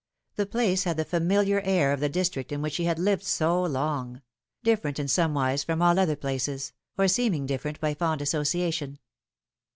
The place had the familiar air of the district in which she had lived so long different in somewise from all other places, or seeming different by fond association.